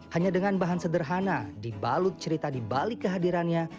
hanya dengan bahan sederhana dibalut cerita di balik kehadirannya